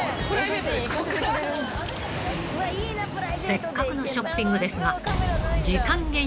［せっかくのショッピングですが］